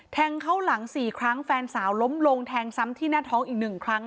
แทงเข้าหลัง๔ครั้งแฟนสาวล้มลงแทงซ้ำที่หน้าท้องอีก๑ครั้ง